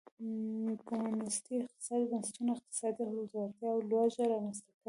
کمونېستي اقتصادي بنسټونو اقتصادي ځوړتیا او لوږه رامنځته کړه.